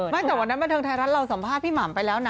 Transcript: เมื่อจากวันนั้นแม่ทางไทยรับทรีย์เราสัมภาพพี่หม่ำไปแล้วนะ